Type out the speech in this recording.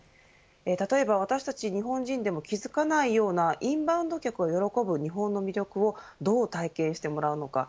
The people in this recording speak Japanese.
例えば私たち日本人でも気づかないようなインバウンド客が喜ぶ日本の魅力をどう体験してもらうのか。